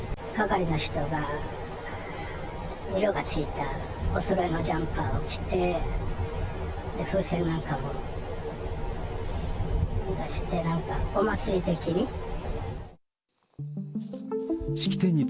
係の人が、色がついた、おそろいのジャンパーを着て、風船なんかも出して、なんかお祭り的に。